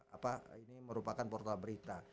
apa ini merupakan portal berita